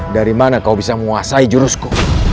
dari mana kau bisa menguasai jurusku